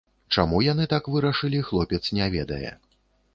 Чаму яны так вырашылі, хлопец не ведае.